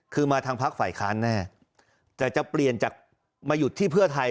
คือมาทางพักฝ่ายค้านแน่แต่จะเปลี่ยนจากมาหยุดที่เพื่อไทย